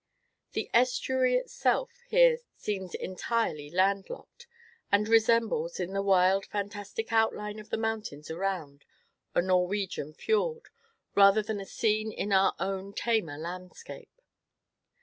The estuary itself here seems entirely landlocked, and resembles, in the wild, fantastic outline of the mountains around, a Norwegian fiord, rather than a scene in our own tamer landscape.